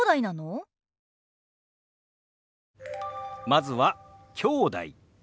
まずは「きょうだい」。